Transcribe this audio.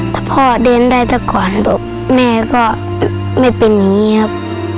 ถ้าพ่อเดินไปจากก่อนแม่ก็ไม่เป็นนี้ครับ